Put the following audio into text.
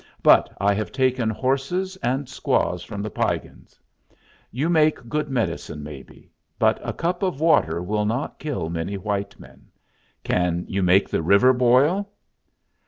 "But I have taken horses and squaws from the Piegans. You make good medicine, maybe; but a cup of water will not kill many white men. Can you make the river boil?